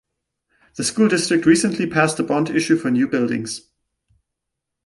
The school district recently passed a bond issue for new buildings.